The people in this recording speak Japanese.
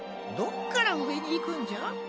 どっからうえにいくんじゃ？